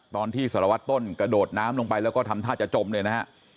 ตอนที่สารวัตรต้นกระโดดน้ำลงไปแล้วก็ทำท่าจะจมเลยนะฮะ